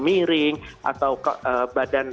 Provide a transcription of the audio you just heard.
miring atau badan